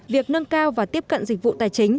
việc nâng cao và tiếp cận dịch vụ tài chính